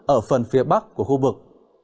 ở phần phía bắc của khu vực